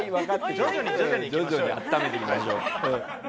徐々にあっためていきましょう。